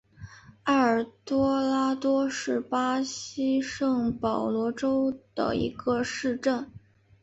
埃尔多拉多是巴西圣保罗州的一个市镇。